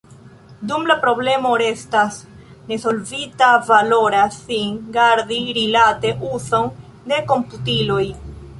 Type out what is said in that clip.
Dum la problemo restas nesolvita, valoras sin gardi rilate uzon de komputiloj.